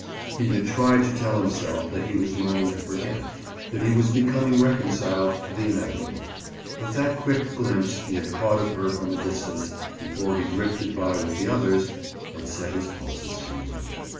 He had tried to tell himself that he was learning to forget, that he was becoming reconciled to the inevitable, but that quick glimpse he had caught of her from a distance, before he drifted by with the others, had set his pulses tingling.